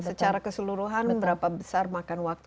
secara keseluruhan berapa besar makan waktu